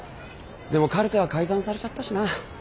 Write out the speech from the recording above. でもカルテは改ざんされちゃったしな。